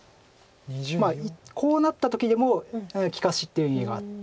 こうなった時でも利かしっていう意味があって。